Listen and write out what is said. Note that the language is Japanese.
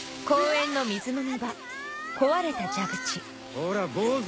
こら坊主！